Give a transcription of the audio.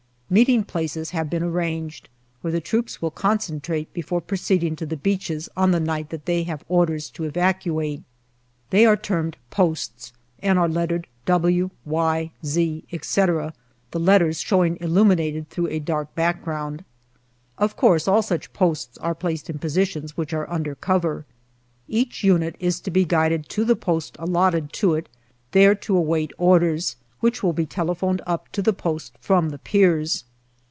Meet ing places have been arranged, where the troops will con centrate before proceeding to the beaches on the night that they have orders to evacuate. They are termed " posts," and are lettered " W," " Y," " Z," etc., the letters showing illuminated through a dark background. Of course, all such posts are placed in positions which are under cover. Each unit is to be guided to the post allotted to it, there to await orders, which will be telephoned up to the post from the piers.